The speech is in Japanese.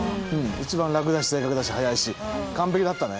一番楽だし正確だし速いし完璧だったね。